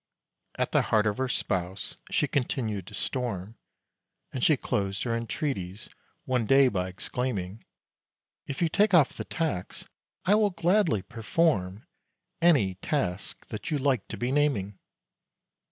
At the heart of her spouse she continued to storm, And she closed her entreaties, one day, by exclaiming: "If you take off the tax, I will gladly perform Any task that you like to be naming!"